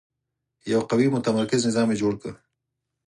یو قوي متمرکز نظام یې جوړ کړ.